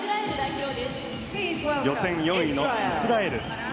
予選４位のイスラエル。